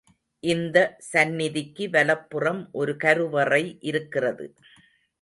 இந்த சந்நிதிக்கு வலப்புறம் ஒரு கருவறை இருக்கிறது.